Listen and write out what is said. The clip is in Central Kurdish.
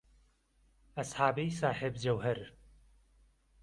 ئهسحابەی ساحێب جهوهەر